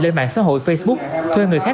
lên mạng xã hội facebook thuê người khác